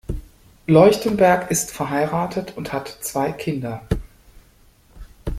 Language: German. Leuchtenberg ist verheiratet und hat zwei Kinder.